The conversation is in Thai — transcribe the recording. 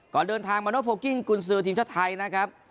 ก่อนเดินทางมาโนโพลกิ้งกุญซือทีมชาติไทยนะครับ